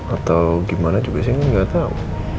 atau gimana juga sih gak tau